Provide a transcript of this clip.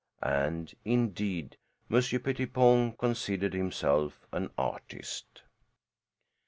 And, indeed, Monsieur Pettipon considered himself an artist.